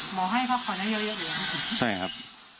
หมอให้เขาขอได้เยอะเหรอครับ